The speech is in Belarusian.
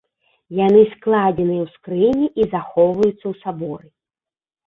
Яны складзеныя ў скрыні і захоўваюцца ў саборы.